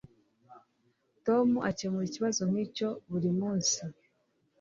Tom akemura ikibazo nkicyo buri munsi.